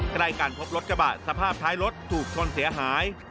ใกล้กันพบรถกระบะสภาพท้ายรถถูกชนเสียหาย